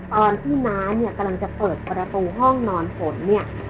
ตอนที่น้าเนี่ยกำลังจะเปิดประตูห้องนอนฝนเนี่ย